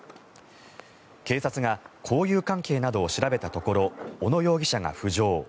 警察が交友関係などを調べたところ小野容疑者が浮上。